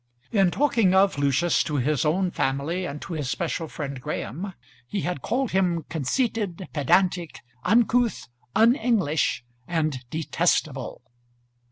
In talking of Lucius to his own family and to his special friend Graham, he had called him conceited, pedantic, uncouth, unenglish, and detestable.